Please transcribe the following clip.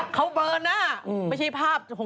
เขาเบอร์หน้าไม่ใช่ภาพ